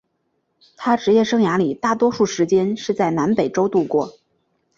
他职业生涯里大多数时间是在南美洲度过。